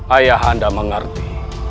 ayah anda mengerti